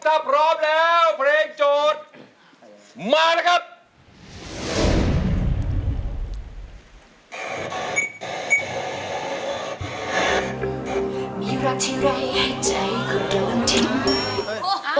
ถ้าพร้อมแล้วเพลงโจทย์มาเลยครับ